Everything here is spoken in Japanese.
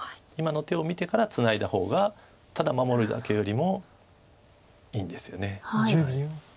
今の手を見てからツナいだ方がただ守るだけよりもいいんですよね。